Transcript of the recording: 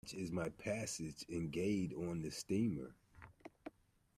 Such is my passage engaged on the steamer.